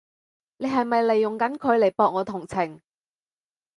你係咪利用緊佢嚟博我同情？